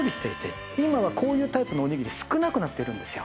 今はこういうタイプのおにぎり少なくなってるんです。